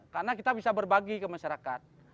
karena kita bisa berbagi ke masyarakat